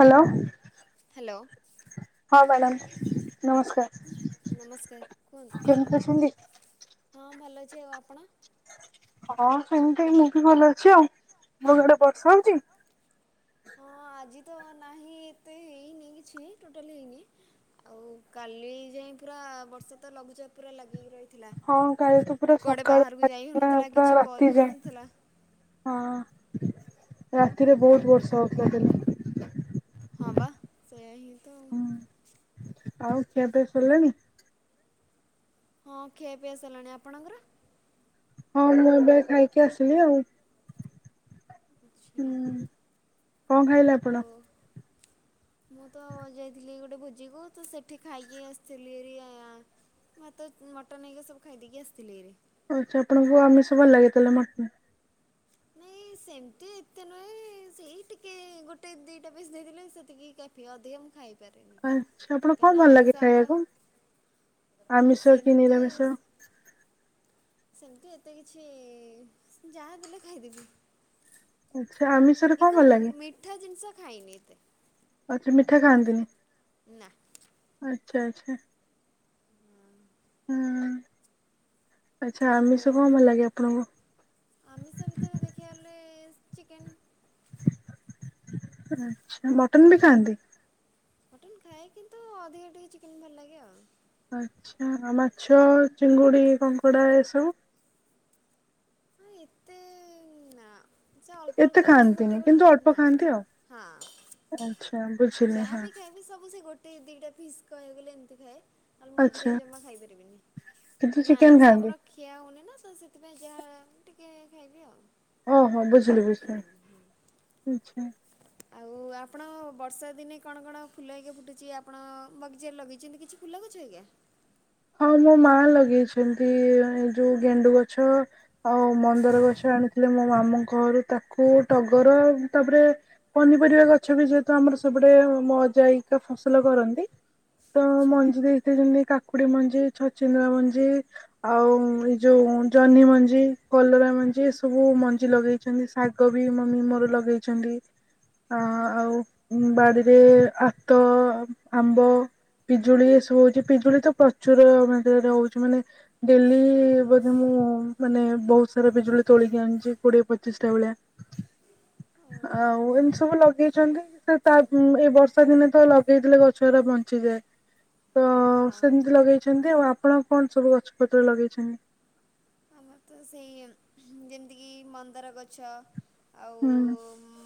Hello. Hello. ହଁ madam ନମସ୍କାର। ନମସ୍କାର କୁହନ୍ତୁ କେମିତି ଅଛନ୍ତି? ହଁ ଭଲ ଅଛି ଆଉ ଆପଣ? ହଁ ସେମିତି ମୁଁ ବି ଭଲ ଅଛି ଆଉ ତମ ସିଆଡେ ବର୍ଷା ହଉଚି? ହଁ ଆଜି ତ ନାହିଁ ଏତେ ହେଇନି କିଛି ଟୋଟାଲି ହେଇନି। ଆଉ କାଲି ଯାଏଁ ପୁରା ବର୍ଷା ତ ଲଘୁଚାପ ପୁରା ଲାଗିକି ରହିଥିଲା। ହଁ କାଲି ତ ପୁରା କୁଆଡ଼େ ବାହାରକୁ ସକାଳୁ ଯାଇ ହେଉନଥିଲା [unintelligible] କିଛି କରି ରାତି ଯାଏଁ। ହେଉନଥିଲା। ହଁ ରାତିରେ ବହୁତ ବର୍ଷା ହଉଥିଲା କାଲି। ହଁ ବା ସେଇୟା ହିଁ ତ। ଆଉ। ହଁ ଆଉ ଖିଆ ପିଆ ସରିଲାଣିି? ହଁ ଖିଆ ପିଆ ସାରିଲାଣି ଆପଣଙ୍କର? ହଁ ମୁଁ ଏବେ ଖାଇକି ଆସିଲି ଆଉ ଆଚ୍ଛା ହଁ‌। କଣ ଖାଇଲେ ଆ ଆଉ ମୁଁ ତ ଯାଇଥିଲି ଗୋଟେ ଭୋଜିକୁ ତ ସେଠି ଖାଇକି ଆସିଥିଲି ଆରି ଆଁ ମୁଁ ତ ମଟନ୍ ହେଇକା ସବୁ ଖାଇଦେଇକି ଆସିଥିଲି ହାରି। ଆଛା ତମକୁ ଆମିଷ ଭଲ ଲାଗେ ତାହେଲେ ମଟନ୍।? ନାଇଁ ସେମିତି ଏତେ ନୁହେଁ ସେଇ ଟିକେ ଗୋଟେ ଦିଟା ପିସ୍ ଦେଇଥିଲେ ସେତିକି କାଫି ଅଧିକ ମୁଁ ଖାଏନି ପାରେନି ଆଚ୍ଛା ଆପଣ କଣ କାହିଁ ନା ଭଲ ଲାଗେ ଆଇଁଷ ଆମର ଖାଇବାକୁ? ଆମିଷ କି ସେମତି ନିରାମିଷ? ସେମିତି ଏତେ କିଛି ଯାହା ଦେଲେ ଖାଇଦେବି। ଆଚ୍ଛା ଆମିସ୍ କିନ୍ତୁ ମି ମିଠା ଜିନିଷ ଖାଇନି ଏତେ। ଆଛା ମିଠା ଖାଆନ୍ତିନି। ନା। ଆଚ୍ଛା ଆଚ୍ଛା। ହଁ। ହୁଁ ଆଚ୍ଛା ଆଉ ଆମିଷ କଣ ଭଲ ଲାଗେ ଆପଣଙ୍କୁ? ଆମିଷ ଭିତରେ ଦେଖିବାକୁ ଗଲେ ଚିକେନ୍। ଆଚ୍ଛା ମଟନ୍ ବି ଖାଆନ୍ତି? ମଟନ୍ ଖାଏ କିନ୍ତୁ ଅଧିକା ଟିକେ ଚିକେନ୍ ଭଲ ଲାଗେ ଆଉ। ଆଚ୍ଛା ଆଉ ମାଛ, ଚିଙ୍ଗୁଡ଼ି, କଙ୍କଡ଼ା ଏସବୁ? ହଁ ଏତେ ନାଁ। ସେ ଅଳ୍ପ ଏତେ ଅଳ୍ପ ଯାହା ଗୋଟେ ଖାଆନ୍ତିନି ଗୋଟେ କିନ୍ତୁ ଅଳ୍ପ ନା ଖାଆନ୍ତି ଆଉ। ହଁ। ଆଚ୍ଛା ବୁଝିଲି ହଁ ଯାହାବି ଖାଇବି ସବୁ ସେ ଗୋଟେ ଦିଟା ଫିସ୍ କହିବାକୁ ଗଲେ ଏମିତି ଖାଏ। ନହେଲେ ମୁଁ ଅଧିକା ଆଚ୍ଛା ଜମା ଖାଇପାରିବିନି କିନ୍ତୁ କାହିଁକିନା ଚିକେନ ଆଇଁଷ ଖାଆନ୍ତି ଆମର ଖିଆ ହଉନି ନା ସା ସେଥିପାଇଁ ଯାହା ଟିକେ ଖାଇବି ଆଉ। ଓହୋ, ବୁଝିଲି ବୁଝିଲି ଆଚ୍ଛା। ଆଉ ଆପଣ ବର୍ଷା ଦିନେ କଣ କଣ ଫୁଲ ଆଜ୍ଞା ଫୁଟୁଛି ଆପଣ ବଗିଚାରେ ଲଗେଇଛନ୍ତି କିଛି? ଫୁଲ ଗଛ ଆଜ୍ଞା? ହଁ ମୋ ମା ଲଗେଇଛନ୍ତି ଏ ଯୋଉ ଗେଣ୍ଡୁ ଗଛ ଆଉ ମନ୍ଦାର ଗଛ ଆଣିଥିଲେ ମୋ ମାମୁଁଙ୍କ ଘରୁ ତାକୁ ଟଗର ତାପରେ ପନିପରିବା ଗଛ ବି ଯେହେତୁ ଆମର ସେପଟେ ମୋ ଅଜା ଆଈ ତ ଫସଲ କରନ୍ତି। ତ ଆଚ୍ଛା ମଞ୍ଜି ଦେଇଥାନ୍ତି କାକୁଡି ମଞ୍ଜି, ଛଚିନ୍ଦ୍ରା ମଞ୍ଜି ଆଉ ଏଇ ଯୋଉ ଜହ୍ନି ମଞ୍ଜି, କଲରା ମଞ୍ଜି ଏ ସବୁ ମଞ୍ଜି ଲଗେଇ ଛନ୍ତି, ଶାଗ ବି ମମି ମୋର ଲଗେଇଛନ୍ତି। ଆ ଆଉ ବାଡ଼ିରେ ଆାତ, ଆମ୍ବ ପିଜୁଳି ଏ ସବୁ ହଉଛି, ପିଜୁଳି ତ ପ୍ରଚୁର ମାତ୍ରାରେ ହଉଛି ମାନେ ଡେଲି ବୋଧେ ମୁଁ ମାନେ ବହୁତ ସାରା ପିଜୁଳି ତୋଳିକି ଆଣୁଛି କୋଡିଏ ପଚିଶଟା ଭଳିଆ। ଆଉ ଓହୋ ଏମିତି ସବୁ ଲଗେଇଚନ୍ତି। ସେ ତା ଏଇ ବର୍ଷା ଦିନେ ତ ଲଗେଇଥିଲେ ଗଛ ଗୁରା ବଞ୍ଚିଯାଏ। ତ ହଁ। ସେମତି ଲଗେଇଛନ୍ତି ଆଉ। ଆପଣ କଣ ସବୁ ଗଛପତ୍ର ଲଗେଇଛନ୍ତି? ଆମର ତ ସେଇ ଯେମିତିକି ମନ୍ଦାର ଗଛ ଆଉ ହୁଁ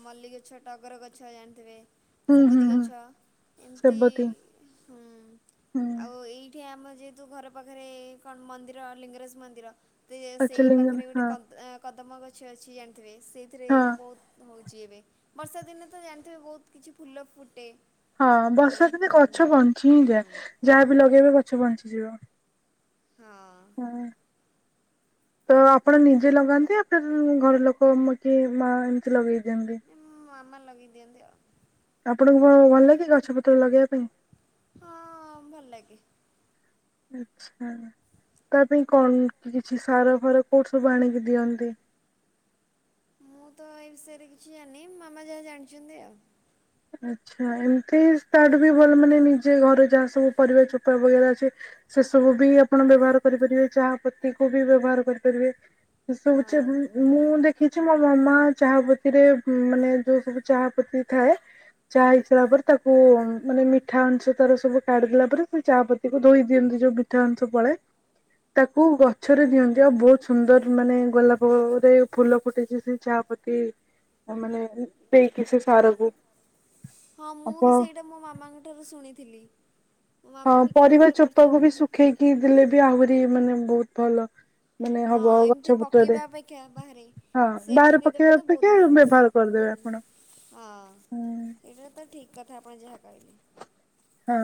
ମଲ୍ଲୀ ଗଛ, ଟଗର ଗଛ, ଜାଣିଥିବେ। ହୁଁ ହୁଁ ସେବତୀ ହୁଁ ଗଛ ଏମିତି ସେବତୀ ହୁଁ ହୁଁ ଆଉ ଏଇଠି ଆମ ଯେହେତୁ ଘର ପାଖରେ କଣ ମନ୍ଦିର ଲିଙ୍ଗରାଜ ମନ୍ଦିର। ତେ ସେଇ ପାଚଲିଙ୍ଗମ ପାଖରେ ଗୋଟେ ହଁ କଦ ଆ କଦମ୍ବ ଗଛ ଅଛି ଜାଣିଥିବେ, ସେଇଥିରେ ହଁ। ବହୁତ୍ ହଉଛି ଏବେ ବର୍ଷା ଦିନେ ତ ଜାଣିଥିବେ ବହୁତ କିଛି ଫୁଲ ଫୁଟେ। ହଁ ଆଉ ବର୍ଷା ଦିନେ ହୁଁ ଗଛ ବଞ୍ଚି ହିଁ ହୁଁ ଯାଏ ଯାହା ହୁଁ ବିି ଲଗେଇବେ ଗଛ ବଞ୍ଚିଯିବ। ହଁ। ହଁ ତ ଆପଣ ନିଜେ ଲଗାନ୍ତି ଆ? ଘର ଲୋକ ମତେ ମା ଏମିତି ଲଗେଇ ଦିଅନ୍ତି। ଉଁ ମାମା ଲଗେଇ ଦିଅନ୍ତି ଆଉ। ଆପଣଙ୍କୁ ଭଲ ଲାଗେ ଗଛ ପତ୍ର ଲଗେଇବା ପାଇଁ? ହଁ ଭଲ ଲାଗେ। [unintelligible] ତା ପାଇଁ କଣ କି କିଛି ସାର ଫାର କୋଉଠୁ ସବୁ ଆଣିକି ଦିଅନ୍ତି? ମୁଁ ତ ଏଇ ବିଷୟରେ କିଛି ଜାଣିନି ମାମା ଯାହା ଜାଣିଛନ୍ତି ଆଉ। ଆଛା ଏମିତିବି ତାଠୁବି ଭଲ ମାନେ ନିଜେ ଘରେ ଯାହା ସବୁ ପରିବା ଚୋପା [unintelligible] ଅଛି। ସେସବୁ ବି ଆପଣ ବ୍ୟବହାର କରିପାରିବେ ଚାହା ପତି କୁ ବି ବ୍ୟବହାର କରିପାରିବେ। ହଁ [unintelligible] ମୁଁ ଦେଖିଛି ମୋ ମାମା ଚା ପତିରେ ମାନେ ଯୋଉ ସବୁ ଚା ପତି ଥାଏ ଚା ହେଇସାରା ପରେ ତାକୁ ମାନେ ମିଠା ଅଂଶ ତାର ସବୁ କାଢିଦେଲା ପରେ ସେ ଚା ପତିକୁ ଧୋଇ ଦିଅନ୍ତି ଯୋଉ ମିଠା ଅଂଶ ପଳାଏ। ତାକୁ ଗଛରେ ଦିଅନ୍ତି ଆଉ ବହୁତ ସୁନ୍ଦର ମାନେ ଗୋଲାପରେ ଫୁଲ ଫୁଟଛି ସେଇ ଚା ପ କି ମାନେ ଦେଇକି ସେ ସାରକୁ ହଁ ମୁଁ ବି ଆପଣ ସେଇଟା ମୋ ମାମାଙ୍କ ଠାରୁ ଶୁଣିଥିଲି। ମୋ ହଁ ମାମା ବି ପରିବା କେତେଥର ଚୋପାକୁ କରିଛନ୍ତି ବି ମୋତେ ଶୁଖେଇକି ଦେଲେ ବି ଆହୁରି ମାନେ ବହୁତ ଭଲ। ମାନେ ହଁ ହବ ଏମିତି ଗଛପତ୍ରରେ। ପକେଇବା ଅପେକ୍ଷା ବାହାରେ ହଁ ସେଇଠି ବାହାରେ ଦେଇଦେବା ପକେଇବା ତ ବହୁତ ଅପେକ୍ଷ ଭଲ। ବ୍ୟବହାର ହୁଁ କରିଦେବେ ଆପଣ। ହଁ ହୁଁ ଏଇଟା ତ ଠିକ୍ କଥା ଆପଣ ଯାହା କହିଲେ। ହଁ।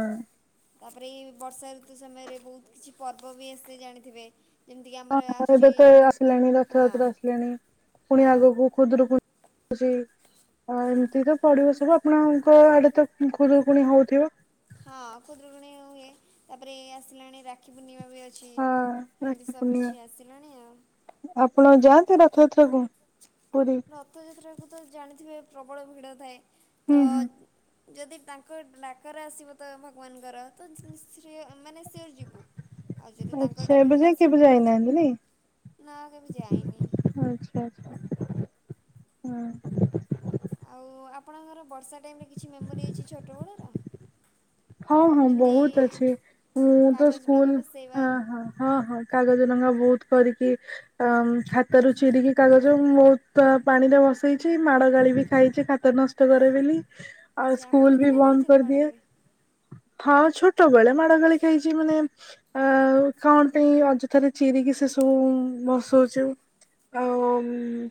ତାପରେ ଇଏ ବର୍ଷା ଋତୁ ସମୟରେ ବହୁତ୍ କିଛି ପର୍ବ ବି ଆସେ ଜାଣିଥିବେ। ଯେମିତିକି ହଁ ଆମର ହଁ ଏବେ ଆସୁଛି ତ ଆସିଲାଣି ରଥଯାତ୍ରା ହଁ ଆସିଲାଣି ପୁଣି ହଁ। ଆଗକୁ ଖୁଦୁରୁକୁଣୀ। [inaudible] ଅ- ଏମିତି ତ ପଡିବ ସବୁ -ଆପଣଙ୍କ ଆଡେ ତ ଖୁଦୁରୁକୁୁଣି ହଉଥିବ? ହଁ ଖୁଦୁରୁକୁଣୀ ହୁଏ ତାପରେ ଇଏ ଆସିଲାଣି ରାକ୍ଷୀ ପୂର୍ଣ୍ଣିମା ବି ଅ ଛି ହଁ ଏମତି ରାକ୍ଷୀ ସବୁ ପୂର୍ଣ୍ଣିମା କିଛି ଆସିଲାଣି ଆଉ। ଆପଣ ଯାଆନ୍ତି ରଥଯାତ୍ରା କୁ ପୁରୀ? ରଥଯାତ୍ରାକୁ ତ ଜାଣିଥିବେ ପ୍ରବଳ ଭିଡ଼ ଥାଏ ହୁଁ ତ ହୁଁ ଯଦି ତାଙ୍କ ଡାକରା ଆସିବ ତ ଭଗବାନଙ୍କର ତ ସି [unintelligible] ମାନେ ସିଓର୍ ଯିବୁ। ଁ ଆଉ ଯଦି ତାଙ୍କ ଡାକରା ନ ଆସିବ କେମିତି ନାଇଁ ଯିବୁ। [inaudible] [inaudible] ଆଉ ଆପଣଙ୍କର ବର୍ଷା ଟାଇମ୍ ରେ କିଛି ମେମୋରି ଅଛି ଛୋଟ ବେଳର? ହଁ -ହଁ ବହୁତ୍ ଅଛି ମୁଁ ତ କାଗଜ ଡଙ୍ଗା ସ୍କୁଲ୍ ଭସେଇବା। ହ -ହ -ହଁ -ହଁ। କାଗଜ ଡଙ୍ଗା ବହୁତ୍ କରିକି ଅମ୍- ଖାତାରୁ ଚିରିକି କାଗଜ [unintelligible] ବହୁତ୍ ପା- ପାଣି ରେ ଭସେଇଚି ମାଡ ଗାଳି ବି ଖାଇଚି ଖାତା ନଷ୍ଟ୍ [unintelligible] ଆଉ ଆଚ୍ଛା ଆପଣ ସ୍କୁଲ୍ ବି ତାହେଲେ ବନ୍ଦ୍ ଖାଇଛନ୍ତି ମାଡ଼ କରିଦିଏ। ଗୋଳି? ହଁ ଛୋଟବେଳେ ମାଡ ଗାଳି ଖାଇଚି ମାନେ ଆ- କଣ ପାଇଁ ଅଯଥାରେ ଚିରିକି ସେ ସବୁ ବସଉଚୁ। ଆଉ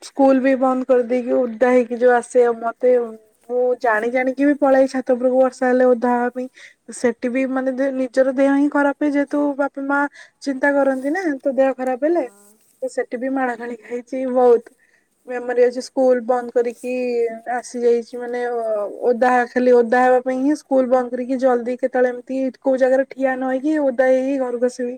ସ୍କୁଲ୍ ବି ବନ୍ଦ କରିଦେଇକି ଉଦା ହେଇକି ଯଉ ଆସେ ଆଉ ମତେ ମୁଁ ଜାଣି ଜାଣିକି ବି ପଳେଇ ଛାତ ଉପୁରକୁ ବର୍ଷା ହେଲେ ଓଦା ହବା ପାଇଁ। ସେଠି ବି ମାନେ ନିଜର ଦେହ ହିଁ ଖରାପ [unintelligible] ଯେହେତୁ ବାପା ମା ଚିନ୍ତା କରନ୍ତି ନା ତୋ ଦେହ ଖରାପ ହେଲେ ହଁ। ତ ସେଠି ବି ମାଡ ଖାଳି ଖାଇଚି ବହୁତ୍। ମେମୋରି ଅଛି ସ୍କୁଲ୍ ବନ୍ଦ କରିକି ଆସି ଯାଇଚି ମାନେ ଓଦା ଖାଲି ଓଦା ହ [unintelligible] ସ୍କୁଲ୍ ବନ୍ଦ୍ [unintelligible] ଜଲ୍ଦି କେତେବେଳେ ଏମିତି କଉ ଜାଗାରେ ଠିଆ ନହେଇକି ଓଦା ହେଇ ହେଇ ଘରକୁ ଆସିବି।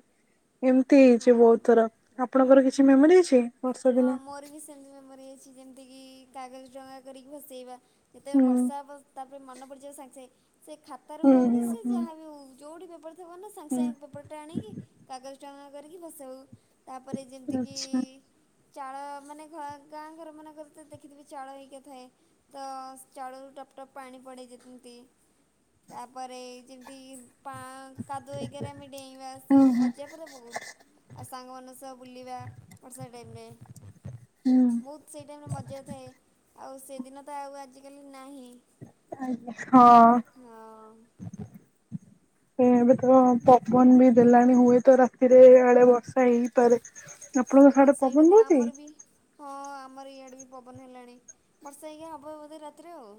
ଏମିତି ହେଇଚି ହଁ ବହୁତ୍ ଥର -ଆପଣଙ୍କର କିଛି ମେମୋରି ଅଛି? ବର୍ଷା ହଁ ଦିନ? ମୋର ବି ସେମିତି ମେମୋରି ଅଛି ଯେମିତିକି କାଗଜ ଡଙ୍ଗା କରିକି ଭସେଇବା। ଯେତେବେଳେ ହୁଁ। ବର୍ଷା ହେବ ତାପରେ ମନ ପଡ଼ିଯିବ ସାଙ୍ଗେ ସାଙ୍ଗେ ସେ ଖାତାରୁ ହୁଁ ହଉ କି ହୁଁ ସେ ହୁଁ ଯାହା ବି ହଉ ଯଉଠି ପେପର୍ ଥିବ ନା ସାଙ୍ଗେ ସାଙ୍ଗେ ହୁଁ ପେପର୍ ଟା ଆଣିକି କାଗଜ ଟଙ୍କା କରିକି ଭସଉ। ତାପରେ ଯେମିତିକି ଆଚ୍ଛା ଚାଳ ମାନେ ଘ-ଗାଁ ଘର ମାନଙ୍କରେ ତ ଦେଖିଥିବେ ଚାଳ ହେରିକା ଥାଏ ତ ଚାଳରୁ ଟପ୍ ଟପ୍ ପାଣି ପଡେ ଯେମିତି ତାପରେ ଯେମିତି ପା- କାଦୁଅ ହେଇକାରେ ଆମେ ଡେଇଁବା ସେମିତି ମଜା ପୁରା ବହୁତ୍। ଆଉ ସାଙ୍ଗମାନଙ୍କ ସହ ବୁଲିବା ବର୍ଷା ଟାଇମ୍ ରେ। ହୁଁ। ବହୁତ୍ ସେଇ ଟାଇମ୍ ରେ ମଜା ଥାଏ ଆଉ ସେଦିନ ତ ଆଉ ଆଜିକାଲି ନାହିଁ। ଆଜ୍ଞା -ହଁ। ଏବେ ତ ପବନ୍ ବି ଦେଲାଣି ହୁଏ ତ ରାତିରେ ଇଆଡେ ବଷ୍ ହେଇପାରେ -ଆପଣଙ୍କ ହଁ ସାଡେ ସେଇଟା ତ ପବନ୍ ହଉଚି? ଆମର ବି ହଁ ଆମର ଇଆଡ଼େ ବି ପବନ୍ ହେଲାଣି ବର୍ଷା [unintelligible] ବୋଧେ ରାତିରେ ଆଉ।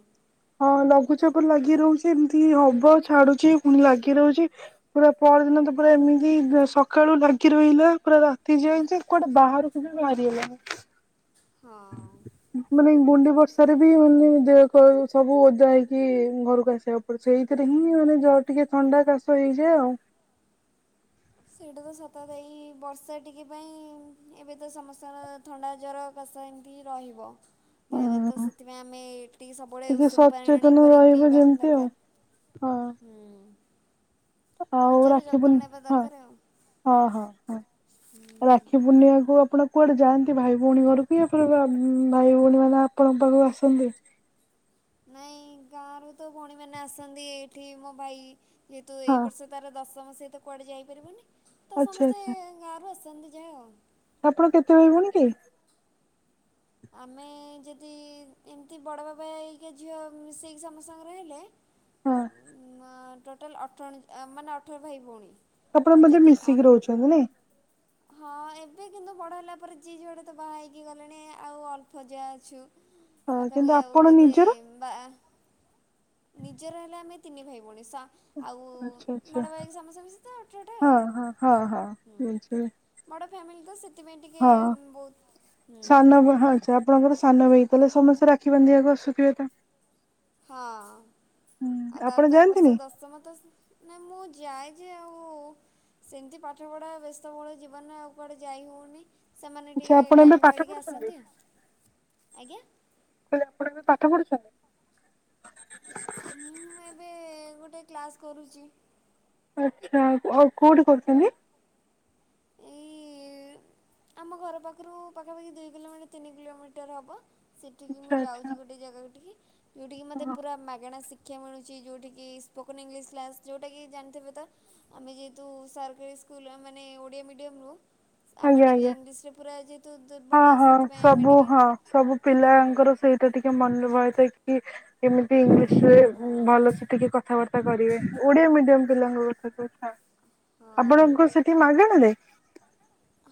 ହଁ ଲଘୁଚାପ ଲାଗି ରହୁଚି ଏମିତି ହବ ଛାଡୁଚି ପୁଣି ଲାଗି ରହୁଚି। ପୁରା ପରଦିନ ତ ପୁରା ଏମିତି ସକାଳୁ ଲାଗି ରହିଲା ପୁରା ରାତି ଯାଏ ଯେ କୁଆଡେ ବାହାରକୁ ବାହାରି ହେଲାନି। ହଁ। ମାନେ ଗୁଣ୍ଡି ବର୍ଷାରେ ବି ମୁଁ ଦେହ ପା ସବୁ ଓଦା ହେଇକି ଘରକୁ ଆସିବାକୁ। ସେଇଥିରେ ହିଁ ମାନେ ଜର ଟିକେ ଥଣ୍ଡା କାଶ ହେଇଯାଏ ଆଉ। ସେଇଟା ତ ସତ କଥା ଏଇ ବର୍ଷା ଟିକେ ପାଇଁ ଏବେ ତ ସମସ୍ତଙ୍କର ଥଣ୍ଡା ଜ୍ୱର କାଷ ଏମିତି ରହିବ। ଦେହରେ ଆଉ। ତ ସେଥିପାଇଁ ଆମେ ଏଠିକି ସବୁବେଳେ ଟିକେ ଉଷୁମ ପାଣିଣି ସଚେତନ କରିକି ପିଇବା ଦରକାର। ହୁଁ। ଆଉ ନିଜର ଯତ୍ନ ରାଖିପୁନି ନେବା ହଁ ଦରକାର ଆଉ। ହଉ ହଉ ହଉ। ହୁଁ। ରାକ୍ଷୀ ପୁର୍ଣ୍ଣିମାକୁ ଆପଣ କୁଆଡେ ଯାଆନ୍ତି ଭାଇ ଭଉଣୀ ଘରକୁ ୟାପରେ ପା ଭାଇ ଭଉଣୀ ମାନେ ଆପଣଙ୍କ ପାଖକୁ ଆସନ୍ତି। ନାଇଁ ଗାଁରୁ ତ ଭଉଣୀମାନେ ଆସନ୍ତି ଏଇଠି ମୋ ଭାଇ ଯେହେତୁ ଏଇ ହଁ ବର୍ଷ ତାର ଦଶମ ସେ ତ କୁଆଡେ ଯାଇପାରିବନି ତ ଆଚ୍ଛା ସମସ୍ତେ ଆଚ୍ଛା ଗାଁରୁ ଆସନ୍ତି ଯାହା ଆଉ। ଆପଣ କେତେ ଜଣ ଭୋଉଣି କି ଆମେ ଯଦି ଏମିତି ବଡ଼ ବାବା ହେରିକା ଝିଅ ମିଶେଇକି ସମସ୍ତଙ୍କର୍ ହେଲେ ହଁ ଉ ମା ଟୋଟାଲ ଅଠ ମାନେ ଅଠର ଭାଇ ଭଉଣୀ। ଆପଣ ଆଉ ବୋଧେ ଯଦି ଆମ ମିଶିକି ରହୁଛନ୍ତି ନାଇଁ। ହଁ ଏବେ କିନ୍ତୁ ବଡ ହେଲା ପରେ ଯିଏ ଜୁଆଡେ ତ ବାହା ହେଇକି ଗଲେଣି ଆଉ ଅଳ୍ପ ଯାହା ଅଛୁ। ହଁ କିନ୍ତୁ ଆପଣ ନିଜର। ବାଆ ନିଜର ହେଲେ ଆମେ ତିନି ଭାଇ ଭଉଣି। ଆଉ ଆଚ୍ଛା ଆଚ୍ଛା ବଡ଼ ଭାଇ ସମସ୍ତେ ମିସିକିତ ଅଠରଟା ହଁ ହଁ ହଁ ହଁ ଆଉ ହୁଁ। ବୁଝିଲି ବଡ଼ ଫ୍ୟାମିଲି ତ ସେଥିପାଇଁ ଟିକେ ହଁ ବହୁତ, ହୁଁ। ସାନ ଭା ହଁ ଆଚ୍ଛା ଆପଣଙ୍କର ସାନ ଭାଇ ତାହେଲେ ସମସ୍ତେ ରାକ୍ଷୀ ବାନ୍ଧିବାକୁ ଅସୁଥିବେତ। ହଁ ଆଉ ତାର ଆପଣ ତ ଏ ବର୍ଷ ଯାଆନ୍ତିନି ଦଶମ ତ ସେ ନା ମୁଁ ଯାଏ ଯେ ଆଉ ସେମିତି ପାଠପଢ଼ା ବ୍ୟସ୍ତବଉଳ ଜୀବନରେ ଆଉ କୁଆଡ଼େ ଯାଇ ହଉନି। ସେମାନେ ଆଚ୍ଛା ଟିକେ ଆପଣ ଏବେ ଟାଇମ୍ ପାଠ କାଢ଼ିକି ପଢୁଛନ୍ତି ଆସନ୍ତି ଆଉ, ଆଜ୍ଞା। ତାହେଲେ ଆପଣ ବି ପାଠ ପଢୁଛନ୍ତି। ମୁଁ ଏବେ ଗୋଟେ କ୍ଲାସ୍ କରୁଚି। ଆଚ୍ଛା ଆଉ କୋଉଠି କରୁଛନ୍ତି। ଏଇ [inaudible] ଆମ ଘର ପାଖରୁ ପାଖାପାଖି ଦୁଇ କିଲୋମିଟର ତିନି କିଲୋମିଟର ହବ। ସେଠିକି ମୁଁ ଆଚ୍ଛା ଆଚ୍ଛା ଯାଉଛି ଗୋଟଏ ଜାଗାଠିକି ଯେଉଠିକି ମୋତେ ହଁ ପୁର ମାଗଣା ଶିଖ ସିକ୍ଷା ମିଳୁଛି ଯୋଉଠିକି ସ୍ପୋକନ ଇଂଲିଶ କ୍ଲାସ୍ ଯୋଉଟାକି ଜାଣିଥିବେ ତ। ଆମେ ଯେହେତୁ ସରକାରୀ ସ୍କୁଲ ମାନେ ଓଡ଼ିଆ ମିଡ଼ିୟମରୁ ଆମେ ଆଜ୍ଞା ଟିକେ ଆଜ୍ଞା ଇଂଲିଶରେ ପୁରା ଯେହେତୁ ହଁ ଦୁର୍ବଳ ହଁ ସେଥିପାଇଁ ଆମେ ସବୁ ଟିକେ, ହୁଁ। ଏବେ ଟିକେ ମନବଳ ଦେଇକି କେମିତି ଇଂଲିଶ ସେ ହଁ ଭଲସେ ସିଖୀକି କଥାବାର୍ତ୍ତା କରିବେ ଓଡିଆ ମିଡିୟମ ପିଲାଙ୍କ କଥା ତ ଛାଡ। ହଁ ଆପଣଙ୍କୁ ସେଠି ମାଗଣା ରେ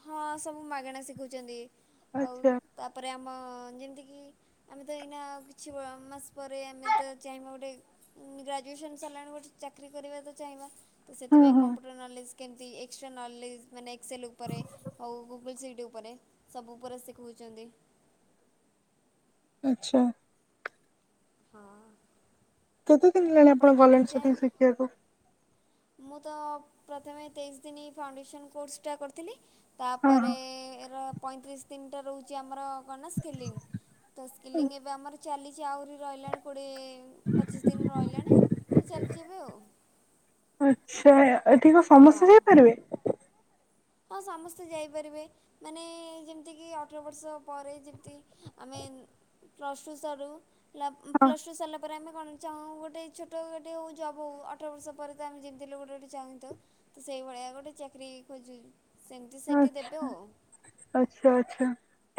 ହଁ ସବୁ ମାଗଣା ଶିଖୋଉଛନ୍ତି ଆଉ ଆଚ୍ଛା ତାପରେ ଆମ ଯେମିତିକି ଆମେ ତ ଏଇନା କିଛି ମ ମାସ ପରେ ଆମେ ତ ଚାହିଁବା ଗୋଟେ ଗ୍ରାଜୁଏସନ ସାରିଲାଣି ଗୋଟେ ଚାକିରି କରିବା ତ ଚାହିଁବା ହୁଁ ସେଥିପାଇଁ ହୁଁ କମ୍ପ୍ୟୁଟର ନଲେଜ୍ କେମିତି ଏକ୍ସଟ୍ରା ନଲେଜ୍ ମାନେ ଏକ୍ସେଲ୍ ଉପ ଉପରେ ଆଉ ଗୁଗୁଲ୍ ସିଟି ଉପରେ ସବୁ ଉପରେ ଶିଖଉଚନ୍ତି। ଆଚ୍ଛା। ହଁ କେତେ ଦିନି ହେଲାଣି ଆପଣ ଯଦି ଗଲେଣି ସ୍କୁଟି ଚାହିଁବେ ଶିକିବାକୁ? ମୁଁ ତ ପ୍ରଥମେ ତେଇଶି ଦିନ ଫାଉଣ୍ଡେସନ୍ କୋର୍ସଟା କରିଥିଲି। ତା ହଁ ପରେ ହଁ ର ପଇଁତିରିଶି ତିନିଟା ରହୁଚି ଆମର କଣ ନା ସ୍କିଲିଂ ତ ସ୍କିଲିଂ ଏବେ ଆମର ଚାଲିଚି ଆହୁରି ରହିଲାଣି କୋଡ଼ିଏ ପଚିଶି ଦିନି ରହିଲାଣି ତ ଚାଲିଚି ଏବେ ଆଉ। ଆଚ୍ଛା ଏ ଏଠି କଣ ସମସ୍ତେ ହଁ ଯାଇପାରିବେ? ହଁ ସମସ୍ତେ ଯାଇପାରିବେ। ମାନେ ଯେମିତି କି ଅଠର ବର୍ଷ ପରେ ଯେମିତି ଆମେ ପ୍ଲସ୍ ଟୁ ସରୁ ପ୍ଲ ପ୍ଲସ୍ ଟୁ ସରିଲା ପରେ ଆମେ କଣ କି ଚାହୁଁ ଗୋଟେ ଛୋଟ ଗାଟେ ହୋଉ ଜବ୍ ହୋଉ ଅଠର ବର୍ଷ ପରେ ତ ଆମେ ଯେମିତି ହେଲେ ଗୋଟେ ଏଠି ଚାହିଁ ଥାଉ। ତ ସେଇଭଳିଆ ଗୋଟେ ଚାକିରି ଖୋଜୁ ସେମି ହଁ ହଁ ଆଚ୍ଛା ଆଚ୍ଛା ଆଚ୍ଛା।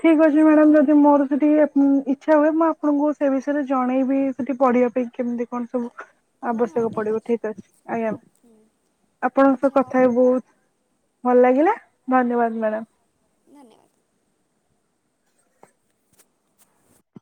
ଠିକ୍ ଅଛି ମ୍ୟାଡାମ ଯଦି ହଁ ମୋର ସେଠି ଆ ଇ ଇଚ୍ଛା ହୁଏ ମୁଁ ଆପଣଙ୍କୁ ସେ ବିଷୟରେ ଜଣେଇବି ସେଠି ପଢ଼ିବା ପାଇଁ କେମିତି କଣ ସବୁ ହଁ ହଁ ଆବଶ୍ୟକ ପଡିବ ଠିକ୍ ଅଛି ହୁଁ ଆଜ୍ଞା। ହୁଁ ଆପଣଙ୍କ ସହ ଆଚ୍ଛା ହଉ କଥା ହେଇ ବହୁତ୍ ଭଲ୍ ଲାଗିଲା ଧନ୍ୟବାଦ ମ୍ୟାଡାମ। ଧନ୍ୟବାଦ।